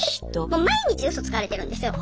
もう毎日ウソつかれてるんですよ。